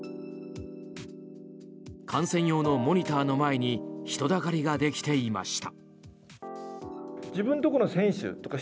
観戦用のモニターの前に人だかりができていました。